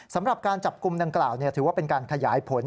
สำหรับการจับกลุ่มดังกล่าวถือว่าเป็นการขยายผล